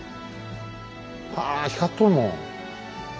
あ光っとるもん。